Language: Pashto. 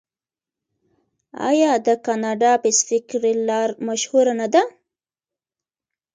آیا د کاناډا پیسفیک ریل لار مشهوره نه ده؟